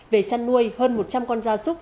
về chăn nuôi hơn một trăm linh con gia súc